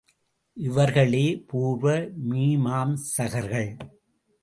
இவர்களே பூர்வ மீமாம்சகர்கள்.